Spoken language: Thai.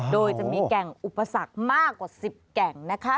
โดยจะมีแก่งอุปสรรคมากกว่า๑๐แก่งนะคะ